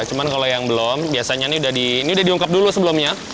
cuma kalau yang belum biasanya ini udah diungkap dulu sebelumnya